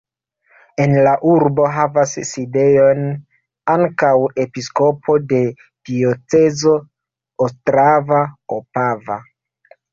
En la urbo havas sidejon ankaŭ episkopo de diocezo ostrava-opava.